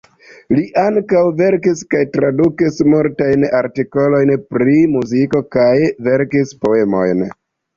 Li ankaŭ verkis kaj tradukis multajn artikolojn pri muziko kaj verkis poemojn.